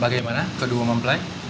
bagaimana kedua mempelai